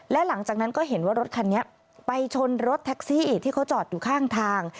และหลังจากนั้นก็เห็นว่ารถคันนี้ไปชนรถแท็กซี่ที่เขาจอดอยู่ข้างทาง